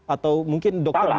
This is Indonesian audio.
atau mungkin dokter bisa